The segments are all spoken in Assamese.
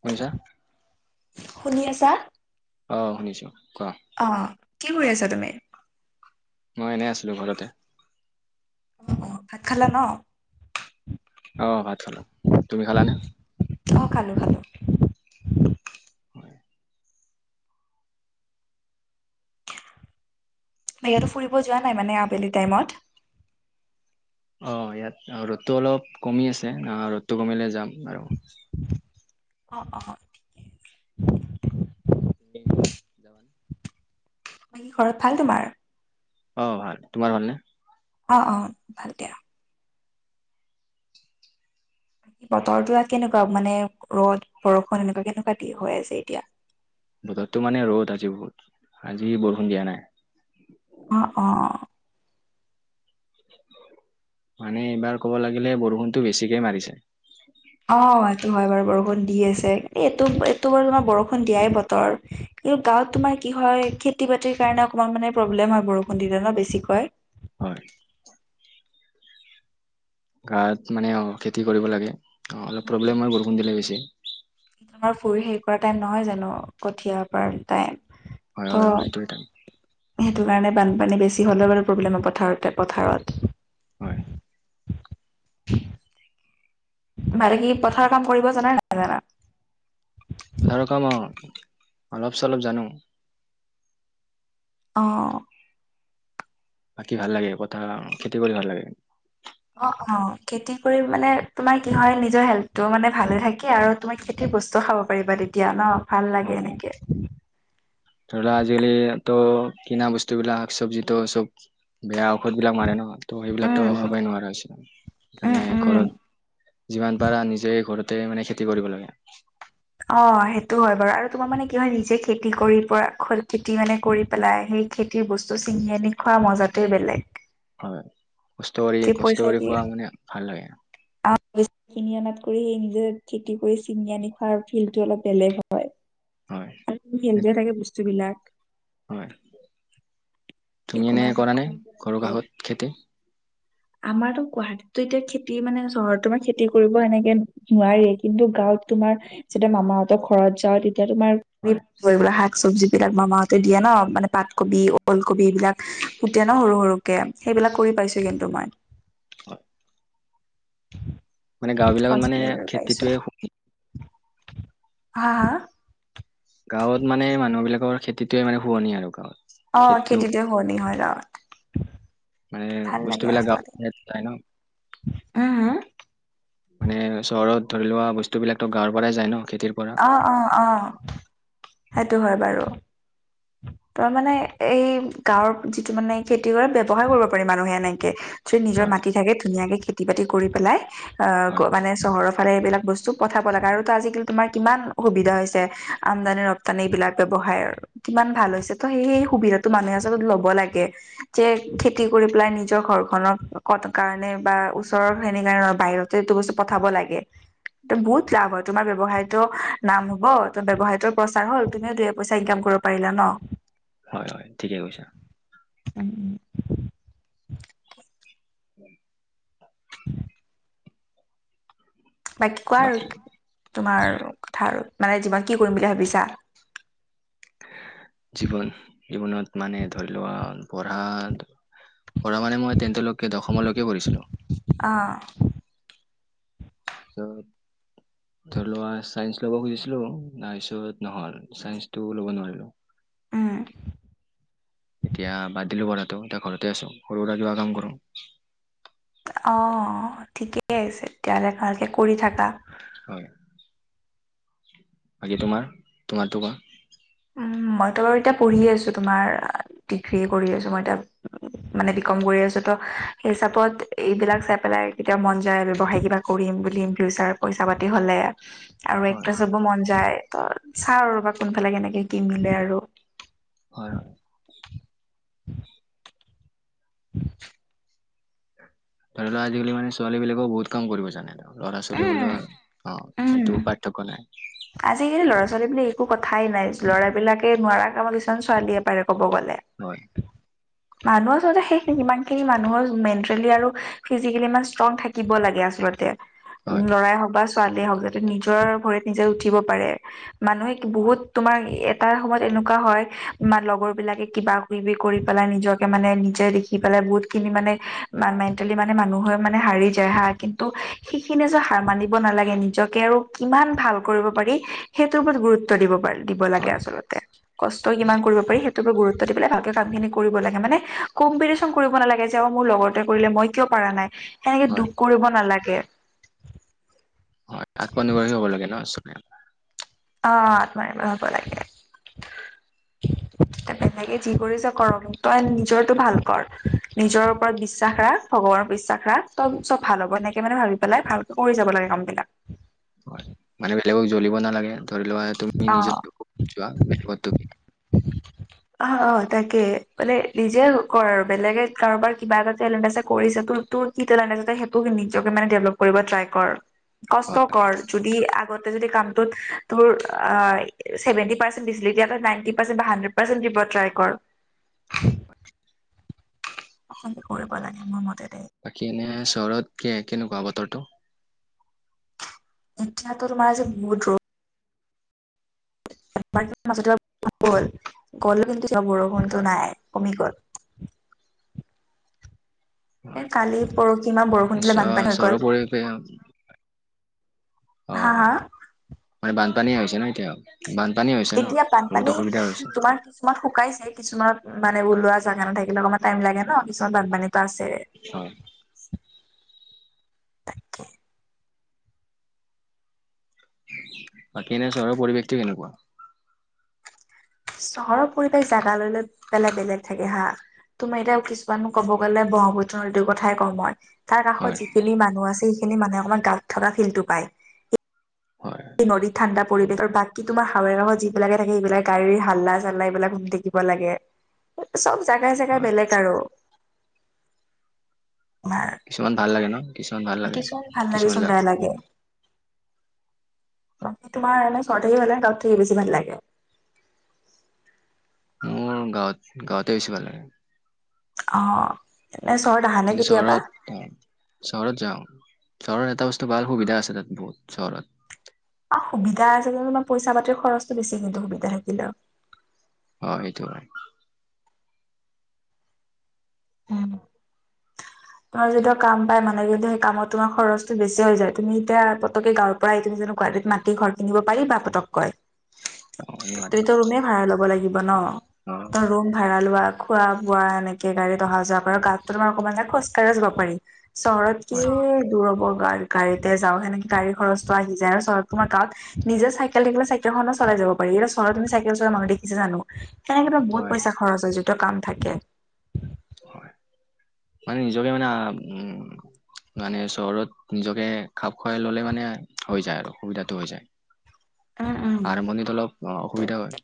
শুনিছা? শুনি আছা? অ শুনিছো কোৱা। অঁ, কি কৰি আছা তুমি? মই এনেই আছিলোঁ ঘৰতে। অ' অ' ভাত খালা ন? অ' ভাত খোলা, তুমি খালা নে? অ খালো খালো। হয়। ইয়াতো ফুৰিব যোৱা নাই মানে আবেলি টাইমত। অ' ইয়াত ৰ'দটো অলপ কমি আছে ৰ'দটো কমিলে যাম আৰু। অঁ অঁ। মি যাবা নে [unintelligible] বাকী ঘৰত ভাল তোমাৰ? অ' ভাল তোমাৰ ভালনে? অ' অ' ভাল দিয়া। বতৰটো কেনেকুৱা মানে ৰ'দ- বৰষুণ এনেকুৱা কেনেকুৱা দি হৈ আছে এতিয়া। বতৰটো মানে ৰ'দ আজি বহুত আজি বৰষুণ দিয়া নাই। অ অ অ মানে এইবাৰ ক'ব লাগিলে বৰষুণতো বেছিকে মাৰিছে। অ সেটো হয় বাৰু বৰষুণ দি আছে এইটো এইটো বাৰু তোমাৰ বৰষুণ দিয়াই বতৰ। এই গাঁৱত তোমাৰ কি হয় খেতি-বাতিৰ কাৰণে অকণমান মানে প্ৰব্লেম হয় বৰষুণ দিলে ন বেছিকৈ হয় গাঁৱত মানে অ খেতি কৰিব লাগে অলপ উম। প্ৰব্লেম হয় বৰষুণ দিলে বেছি। তোমাৰ ফুৰি হেৰি কৰা টাইম নহয় জানো কঠিয়া পৰা টাইম হয় হয় ত' হয় সেইটোয়েই থাকে সেইটো কাৰণে বানপানী বেছি হ'লেও বাৰু প্ৰব্লেম হয় পথাৰতে পথাৰত। হয় ভালে কি পথাৰ কাম কৰিব জানা নাজানা পথাৰ কাম অ অলপ চলপ জানো। অ বাকী ভাল লাগে পথাৰ খেতি কৰি ভাল লাগে। অ অ খেতি কৰি মানে তোমাৰ কি হয় নিজৰ হেলটো মানে ভালে থাকে। কে আৰু তোমাক খেতিৰ বস্তু খাব পাৰিবা তেতিয়া ন ভাল অ অ লাগে এনেকে। ধৰি লোৱা আজি-কালি তো কিনা বস্তুবিলাক চবজি তো চব বেয়া ঔষধ বিলাক মাৰে নহয় ত' সেইবিলাকতো উম। খাবই নোৱাৰা হৈছিল উম, মানে উম। ঘৰত যিমান পাৰা নিজেই ঘৰ- তে মানে খেতি কৰিব লাগে। অ সেইটো হয় বাৰু আৰু তোমাৰ মানে কি হয় নিজে খেতি কৰি পৰা খেতি মানে কৰি পেলাই সেই খেতিৰ বস্তু ছিঙি আনি খোৱা মজাতোৱেই বেলেগ হয় কষ্ট কৰি কি পইচা কষ্ট কৰি দিয়ে। খোৱা মানে ভাল লাগে। অ বিচ কিনি আনাত কৰি সেই নিজৰ খেতি কৰি চিঙি আনি খোৱাৰ ফিল্ডটো অলপ বেলেগ হয়। হয় সিনকে থাকে বস্তু বিলাক হয় তুমি একো এনে মানে কৰা নাই ঘৰৰ থাকে কাষত খেতি আমাৰতো গুৱাহাটীতো এতিয়া খেতি মানে চহৰত তোমাৰ খেতি কৰিব এেনেকে নোৱাৰিয়ে কিন্তু গাঁৱত তোমাৰ যেতিয়া মামাহঁতৰ ঘৰত যাওঁ তেতিয়া তোমাৰ হয় চবজি বিলাক মামাহঁতে দিয়ে ন মানে পাতকবি, ওলকবি এইবিলাক ফুতে ন সৰু সৰুকে সেইবিলাক কৰি পাইছো কিন্তু মই হয় মানে গাঁও বিলাকত মানে পাছফালৰ পাইছো খেতিটোৱে সো- হা হা গাঁৱত মানে মানুহ বিলাকৰ খেতিটোৱে মানে শুৱনি আৰু গাঁৱত অ খেতিটো খেতিতোৱে শুৱানি হয় ন মানে বস্তুবিলাক গাব [unintelligible] পাই ন অহু হ মানে চহৰত ধৰি লোৱা বস্তু বিলাকতো গাঁৱৰ পৰাই যায় ন খেতিৰ পৰা অ অ অ সেইটো হয় বাৰু। তই মানে এই গাঁৱৰ যিটো মানে খেতি কৰা ব্যৱসায় কৰিব পাৰি মানুহে এনেকে যি নিজৰ হয় মাটি থাকে ধুনীয়াকে খেতি-বাতি কৰি পেলাই আহ গ হয়, মানে চহৰৰ ফালে এইবিলাক বস্তু পঠাব লাগে আৰু তো আজিকালি তোমাৰ কিমান সুবিধা হৈছে আমদানি ৰ- তানে এইবিলাক ব্যৱসায়ৰ কিমান ভাল হৈছে ত' সেই সেই সুবিধাটো মানুহে আচলত লব লাগে যে খেতি কৰি পেলাই নিজৰ ঘৰ খনৰ কাৰণে বা ওচৰৰ সেনে কাৰণৰ বাহিৰত টো এইটো বস্তু পঠাব লাগে ত বহুত লাভ হয় তোমাৰ ব্যয়সায়তো নাম হব ত ব্যৱসায়টো প্ৰচাৰ হল তুমিও দুই পইচা ইনকাম কৰি পাৰিলা ন হয় হয় ঠিকে কৈছা উম উম উম বাকী কোৱা আৰু তোমাৰ কথা আৰু মানে জীৱনত কি কৰিম বুলি ভাবিছা জীৱন জীৱনত মানে ধৰি লোৱা পঢ়া পঢ়া মান মই তেন্তেলৈকে দশমলৈকে পঢ়িছিলোঁ অ পিছত ধৰি লোৱা চাইন্স ল'ব খুজিছিলো নাই চত নহ'ল চাইন্সটো ল'ব নোৱাৰিলো উম এতিয়া বাদ দিলো পঢ়াটো এতিয়া ঘৰতে আছো সৰু সুৰা কিবা কাম কৰো অ ঠিকেই আছে তেতিয়াহ'লে ভালকে কৰি থাকা হয় বাকী তোমাৰ তোমাৰতো কোৱা উম মইতো বাৰু এতিয়া পঢ়ি আছো তোমাৰ ডিগ্ৰী কৰি আছো মই এতিয়া মানে বিকম কৰি আছো ত সেই হিচাপত এইবিলাক চাই পেলাই কেতিয়াও মন যায় ব্যৱসায় কিবা কৰিম বুলিম ফিউচাৰ পইচা পাতি হলে আৰু হয় এক্ট্ৰেছ হ'ব মন যায় ত চাও ৰবা কোনফালে কেনেকে কি মিলে আৰু হয় হয় ধৰি লোৱা আজালি মানে ছোৱালী বিলাকো বহু কাম কৰিব জানে ত ল'ৰা ছোৱালী বুলি উম অ উম সেইটো পাৰ্থক্য নাই আজিকালি ল'ৰা ছোৱালী বুলি একো কথাই নাই ল'ৰাবিলাকে নোৱাৰা কামত কিছুমান ছোৱালীয়ে পাৰে কব গ'লে হয় মানুহ আচলতে শেষ নেকি ইমানখিনি মানুহৰ মেণ্টেলি আৰু ফিজিকেলি ইমান ষ্ট্ৰং থাকিব লাগে আচলতে হয় লৰাই হওক বা ছোৱালীয়ে হওক যাতে নিজৰ ভৰিত নিজে উঠিব পাৰে মানুহে বহুত তোমাৰ এটা সময়ত এনেকুৱা হয় লগৰ বিলাকে কিবা বি বি কৰি পেলাই নিজকে মানে নিজে দেখি পেলাই বহুত খিনি মানে মেণ্টেলি মানে মানুহে মানে হাৰি দেহা কিন্তু সেইখিনি যে হাৰ মানিব নালাগে নিজকে আৰু কিমান ভাল কৰিব পাৰি সেইটোৰ ওপৰত গুৰুত্ব দিব পাৰ দিব লাগে হয় আচলতে কষ্ট কিমান কৰিব পাৰি সেইটোকে গুৰুত্ব দি পেলাই ভালকে কাম খিনি কৰিব লাগে মানে কম্পিউটি চন কৰিব নালাগে যে অ মোৰ লগৰ টোৱে কৰিলে মই কিয় পাৰ নাই সেনেকে হয় দুখ কৰিব নালাগে হয় আত্মনিৰ্ভৰশীল হব লাগে ন চবেই অ আত্মনিৰ্ভৰশীল হব লাগে [unintelligible] বেলেগে যি কৰিছে কৰক তই নিজৰটো ভাল কৰ নিজৰ ওপৰত বিশ্বাস ৰাখ ভগৱানৰ বিশ্বাস ৰাখ তব চব ভাল হব এনেকে মানে ভাবি পেলাই ভালকে কৰি যাব লাগে কাম বিলাক হয় মানে বেলেগক জ্বলিব নালাগে ধৰি লোৱালে তুমি অ নিজো [unintelligible] [inaudible] অ অ তাকে মানে নিজে কৰ আৰু বেলেগে কাৰোবাৰ কিবা এটা টেলেণ্ট আছে কৰিছে তুৰ তুৰ কি টেলেণ্ট আছে সেইটো নিজে মানে ডেভলপ কৰিব ট্ৰাই কৰ হয় কষ্টকৰ যদি আগতে যদি কামটোত তোৰ আঁ ছেভেণ্টি পাৰ্চেণ্ট দিছিলে এতিয়া ত' নাইণ্টি পাৰ্চেণ্ট বা হাণ্ড্ৰেড পাৰ্চেণ্ট দিব ট্ৰাই কৰ। কৰিব লাগে মোৰ মতে দেই। বাকী এনে চহৰত কে কেনেকুৱা বতৰটো? এতিয়াতো তোমাৰ যে বহুত ৰ'দ। এবাৰ দুবাৰ মাজতে বৰষুণ গ'ল। গ'ল কিন্তু এতিয়া বৰষুণটো হয় নাই কমি গ'ল। এ হয়, কালি পৰহি ইমান বৰষুণ দিলে নিশ্চয় বানপানী হৈ গ'ল চহৰৰ পৰিৱেশ বেয়া। হা অঁ, হয়। হা মানে বানপানী আহিছে নে কি আৰু? বানপানী হৈছে ন'? এতিয়া বানপানী বহুত অসুবিধা হৈছে। তোমাৰ কিছুমান শুকাইছে, কিছুমান মানে ওলোৱা জাগা নাথাকিলে অকণমান টাইম লাগে ন'? কিছুমান বানপানী ত ' আছে। অঁ। তাকে। বাকী এনে চহৰৰ পৰিৱেশটো কেনেকুৱা? চহৰৰ পৰিৱেশ জোগা লৈ লৈ বেলেগ বেলেগ থাকে হাঁ। তোমাৰ এতিয়া কিছুমান ক'ব গ'লে ব্ৰহ্মপুত্ৰ নদীৰ কথাই কওঁ মই। তাৰ হয় কাষত যিখিনি মানুহ আছে সেইখিনি মানুহে অকমান গাঁৱত থকা ফিল্টো পায়। হয় নদী ঠাণ্ডা পৰিৱেশ আৰু বাকী তোমাৰ হাইৱেৰৰ ঘৰত যিবিলাকে থাকে সেইবিলাক গাড়ীৰ হাল্লা- চাল্লা এইবিলাক শুনি থাকিব লাগে। চব জেগাই জেগাই হয় বেলেগ আৰু। কিছুমান ভাল লাগে ন'? কিছুমান ভাল লাগে। কিছুমান ভাল লাগে কিছুমান জেগা বেয়া লাগে। বাকী তোমাৰ এনে চহৰত থাকি ভাল লাগে নে, গাঁৱত থাকি বেছি ভাল লাগে? মোৰ গাঁৱত গাঁৱতে বেছি ভাল লাগে। অঁ এনে চহৰত আহানে কেতিয়াবা? এ - চহৰত যাওঁ। চহৰত এটা বস্তু ভাল সুবিধা আছে তাত বহু চহৰত। অহ্, সুবিধা আছে যেনিবা পইচা-পাতি খৰচটো বেছি কিন্তু সুবিধা থাকিলেও। অঁ, সেইটো হয়। উম। তোমাৰ যেতিয়া কাম পাই মানুহে কিন্তু সেই কামত তোমাৰ খৰচটো বেছি হৈ যায়। তুমি এতিয়া পতককে গাঁৱত পৰাই তুমি যেনেকুৱা য'ত মাটি, ঘৰ কিনিব পাৰিবা পতককৈ? অ তুমিটো ৰুমেই ভাড়া ল'ব লাগিব ন'? অঁ। ত ৰুম ভাড়া লোৱা, খোৱা -বোৱা এনেকে গাড়ীত অহা যোৱা কৰা। গাঁৱতটো তোমাৰ অকমান এটা খৰচ চেৰে চলিব পাৰি। চহৰত কি হয় দূৰব গাৰ্ গাড়ীতে যাওঁ। হেনেকে গাড়ীৰ খৰচটো আহি যায় আৰু চহৰত। তোমাৰ গাঁৱত নিজে চাইকেল থাকিলে চাইকেলখনো চলাই যাব পাৰি। এতিয়া চহৰত তুমি চাইকেল চলোৱা মানুহ দেখিছা জানোঁ? তেনেকেটো বহুত হয় পইচা খৰচ হৈছে যিটো কাম থাকে। হয়, মানে নিজকে মানে আঁ উম মানে চহৰত নিজকে খাপ খুৱাই ল'লে মানে হৈ যায় আৰু সুবিধাটো হৈ যায়। উম উম। আৰম্ভণিটো অলপ অসুবিধা হয়।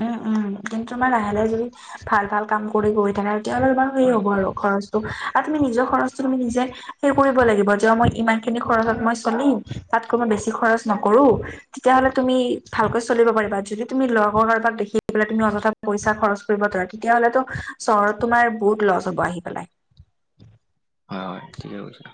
উম, উম কিন্তু তোমাৰ লাহে লাহে যদি ভাল ভাল কাম কৰি গৈ থাকা। তেতিয়া হ'লে তোমাৰ ফ্ৰী হয় হ'ব আৰু খৰচটো আৰু তুমি নিজৰ খৰচটো তুমি নিজে সেই কৰিব লাগিব যে মই ইমানখিনি খৰচত মই চলিম, তাতকৈ মই বেছি খৰচ মই নকৰোঁ। তেতিয়া হ'লে তুমি ভালকৈ চলিব পাৰিবা। যদি তুমি লগ্ লগৰ কাৰোবাক দেখি পেলাই তুমি অযথা পইচা খৰচ কৰিব যোৱা। তেতিয়া হ'লেতো চহৰত তোমাৰ বহুত লছ হ'ব আহি পেলাই। হয় হয় ঠিকে কৈছা।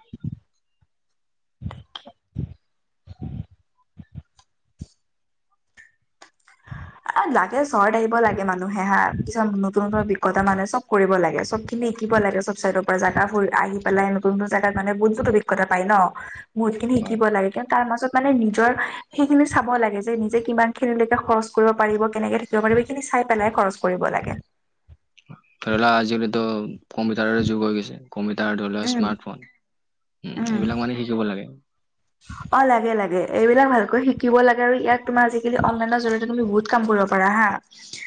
[unintelligible] লাগে চৰ্য়েত আহিব লাগে মানুহে হা কিছুমান নতুন নতুন অভিজ্ঞতা মানে চব কৰিব লাগে চব [unintelligible] শিকিব লাগে। চব চাইডৰ পৰা জাগা ফুৰি আহি পেলাই নতুন নতুন জাগাত মানে বহুত বহুত অভিজ্ঞতা পাই ন, বহুত খিনি হয় শিকিব লাগে। কিন্তু তাৰ মাজত মানে নিজৰ সেইখিনি চাব লাগে যে নিজে কিমান খিনিলৈকে, খৰচ কৰিব পাৰিব। কেনেকে থাকিব পাৰিব এইখিনি চাই পেলাই খৰচ কৰিব লাগে। ধৰি লোৱা আজিকালিতো কম্পিউটাৰৰে যুগ হৈ গৈছে। কম্পিউটাৰ ধৰি লও উম স্মাৰ্টফোন উম এইবিলাক মানে শিকিব লাগে। অ' লাগে লাগে এইবিলাক ভালকৈ শিকিব লাগে আৰু ইয়াক তোমাৰ আজিকালি অনলাইনৰ জৰিয়তে তুমি বহুত কাম কৰিব পাৰিবা। পাৰা হা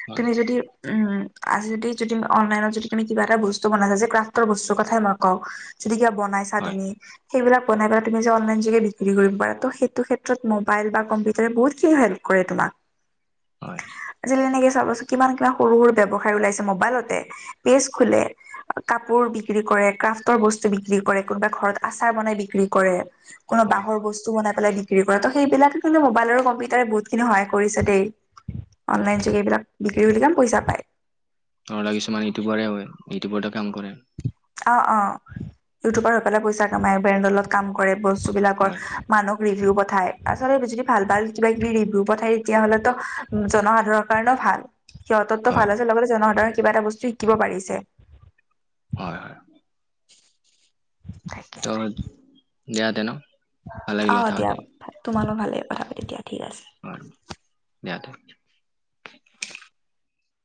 হয় তুমি যদি উম' আজ যদি যদি অনলাইনত যদি তুমি কিবা এটা বস্তু বনাইছা যে ক্ৰাফ্টৰ বস্তুৰ কথাই মই কওঁ, যদি কিবা বনাইছা হয় তুমি, সেইবিলাক বনাই পেলাই অনলাইন বিক্ৰী কৰিব পাৰা সেইটো ক্ষেত্ৰত মোবাইল বা কম্পিউটাৰে বহুতখিনি হেল্প কৰে তোমাক। হয়। আজি কালি এনেকে চাবচোন কিমান কিমান সৰু সৰু ব্যৱসায় ওলাইছে। মোবাইলতে পেজ খোলে। কাপোৰ বিক্ৰী কৰে। ক্ৰাফ্টৰ বস্তু বিক্ৰী কৰে কোনোবা ঘৰত আচাৰ বনাই বিক্ৰী কৰে। কোনোবাই হয় বাঁহৰ বস্তু বনাই পাই বিক্ৰী কৰে তাতে' সেইবিলাকে কিন্তু মোবাইল আৰু কম্পিউটাৰে বহুত খিনি সহায় কৰিছে দেই। অনলাইন যোগে এইবিলাক বিক্ৰী [unintelligible] পইচা পাই। ধ লৰা কিছুমান ইউটিউবাৰে হয় ইউটিউবাৰতে কাম কৰে [unintelligible] অ' অ' ইউটিউবৰ হৈ পেলাই পইচা কামাই ব্ৰেণ্ডলত কাম কৰে বস্তু বিলাকৰ, হয় মানুহক ৰিভিউ পঠায় আচলতে যদি ভাল ভাল কিবা কিবি ৰিভিউ পঠায়। তেতিয়া হলেতো, উ জনসাধাৰণৰ কাৰণেও ভাল সিহঁততো হয় ভাল আছে লগতে জনসাধাৰণৰ কিবা এটা বস্তু শিকিব পাৰিছে। হয় হয়। ত 'দিয়া [unintelligible] দে ন ভাল লাগিল আহ কথা দিয়া পাতি তোমালো ভালেই কথা পাতি দিয়া ঠিক আছে। হয় দিয়া।